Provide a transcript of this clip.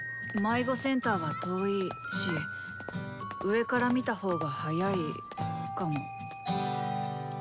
迷子センターは遠いし上から見た方が早いかも。